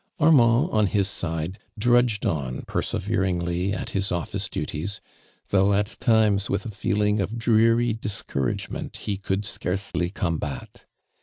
Armand on his side drudged on persever ingly at his office duties, though at times with a feeling of dreary discouragement ho could scarcely combat.